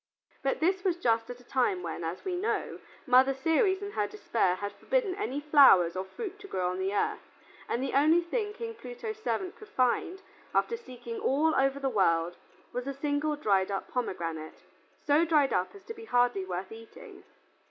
But this was just at the time when, as we know, Mother Ceres in her despair had forbidden any flowers or fruit to grow on the earth, and the only thing King Pluto's servant could find, after seeking all over the world was a single dried up pomegranate, so dried up as to be hardly worth eating.